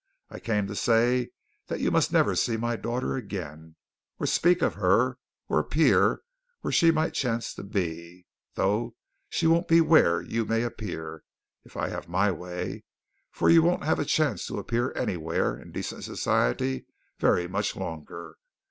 "I came to say that you must never see my daughter again, or speak of her, or appear where she might chance to be, though she won't be where you may appear, if I have my way, for you won't have a chance to appear anywhere in decent society very much longer.